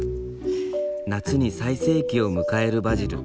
夏に最盛期を迎えるバジル。